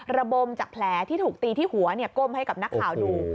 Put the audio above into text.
ระบมจากแผลที่ถูกตีที่หัวก้มให้กับนักข่าวดู